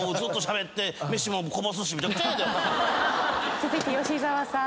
続いて吉沢さん。